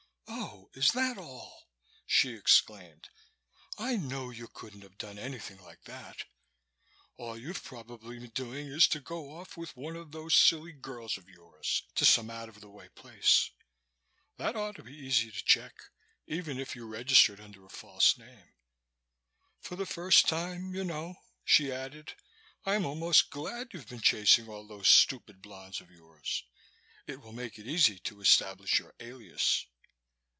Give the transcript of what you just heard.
"Oh, is that all?" she exclaimed. "I know you couldn't have done anything like that. All you've probably been doing is to go off with one of those silly girls of yours to some out of the way place. That ought to be easy to check, even if you registered under a false name. For the first time, you know," she added, "I'm almost glad you've been chasing all those stupid blondes of yours. It will make it easy to establish your alias."